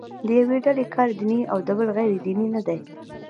د یوې ډلې کار دیني او د بلې غیر دیني نه دی.